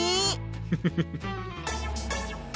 フフフ。